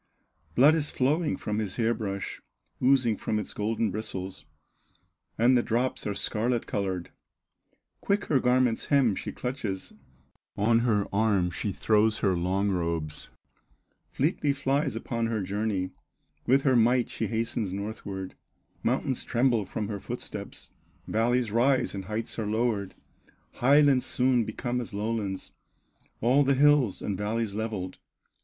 Blood is flowing from his hair brush, Oozing from its golden bristles, And the drops are scarlet colored." Quick her garment's hem she clutches, On her arm she throws her long robes, Fleetly flies upon her journey; With her might she hastens northward, Mountains tremble from her footsteps, Valleys rise and heights are lowered, Highlands soon become as lowlands, All the hills and valleys levelled.